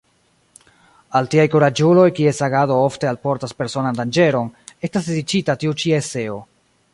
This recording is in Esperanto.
Al tiaj kuraĝuloj, kies agado ofte alportas personan danĝeron, estas dediĉita tiu ĉi eseo.